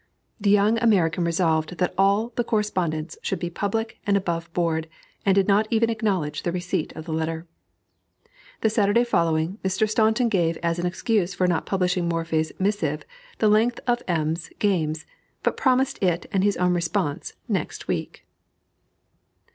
The young American resolved that all the correspondence should be public and above board, and did not even acknowledge the receipt of the letter. The Saturday following, Mr. Staunton gave as excuse for not publishing Morphy's missive, the length of M.'s games, but promised it and his own response "next week."